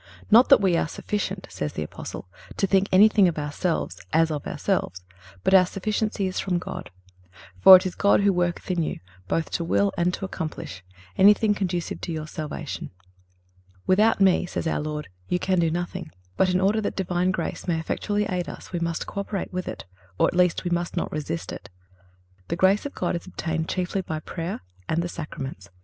"Not that we are sufficient," says the Apostle, "to think anything of ourselves, as of ourselves; but our sufficiency is from God."(325) "For it is God who worketh in you, both to will and to accomplish"(326) anything conducive to your salvation. "Without Me," says our Lord, "you can do nothing."(327) But in order that Divine grace may effectually aid us we must co operate with it, or at least we must not resist it. The grace of God is obtained chiefly by prayer and the Sacraments.